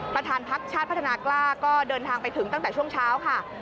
ประธานพักชาติพัฒนากล้าก็เดินทางไปถึงตั้งแต่ช่วงเช้าค่ะ